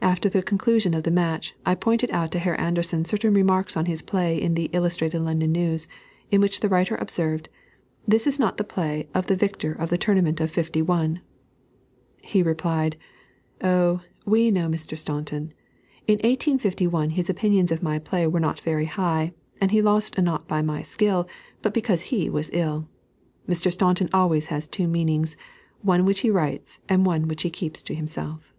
'" After the conclusion of the match, I pointed out to Herr Anderssen certain remarks on his play in the Illustrated London News, in which the writer observed, "This is not the play of the victor of the Tournament of '51." He replied "Oh, we know Mr. Staunton; in 1851 his opinions of my play were not very high, and he lost not by my skill, but because he was ill. Mr. Staunton always has two meanings, one which he writes, and one which he keeps to himself."